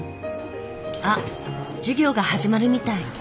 あっ授業が始まるみたい。